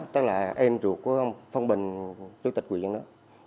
tức là em ruột của phong bình chủ tịch quyền đó